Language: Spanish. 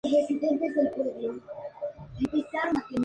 Su dieta consiste de insectos, arácnidos y miriápodos.